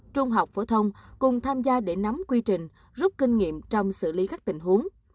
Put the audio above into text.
trung học phổ thông cùng tham gia để nắm quy trình rút kinh nghiệm trong xử lý các tình huống